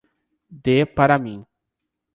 Dê para mim